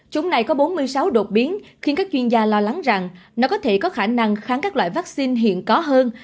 chúng này có bốn mươi sáu đột biến khiến các chuyên gia lo lắng rằng nó có thể có khả năng kháng các loại vaccine hiện có hơn